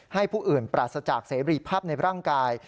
ผู้อื่นปราศจากเสรีภาพในร่างกาย